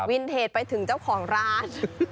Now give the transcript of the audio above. วินเทจไปถึงเจ้าของร้าน